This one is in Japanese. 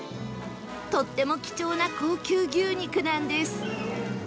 とっても貴重な高級牛肉なんです